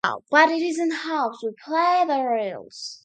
But in this house, we play by the rules.